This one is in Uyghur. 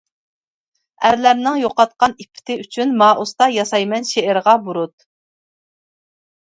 ئەرلەرنىڭ يوقاتقان ئىپپىتى ئۈچۈن، مائۇستا ياسايمەن شېئىرغا بۇرۇت.